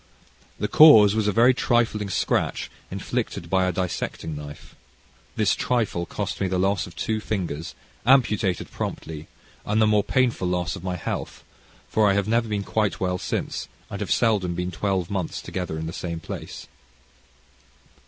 The cause was a very trifling scratch inflicted by a dissecting knife. This trifle cost me the loss of two fingers, amputated promptly, and the more painful loss of my health, for I have never been quite well since, and have seldom been twelve months together in the same place.